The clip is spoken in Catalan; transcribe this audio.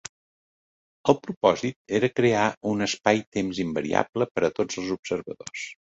El propòsit era crear un espai-temps invariable per a tots els observadors.